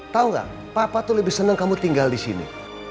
tahu nggak papa tuh lebih senang kamu tinggal di sini